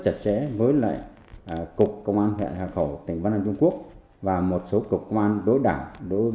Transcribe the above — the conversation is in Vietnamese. chặt chẽ với lại cục công an huyện hà khẩu tỉnh văn an trung quốc và một số cục công an đối đảng đối